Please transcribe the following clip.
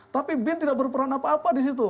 tapi bin tidak berperan apa apa disitu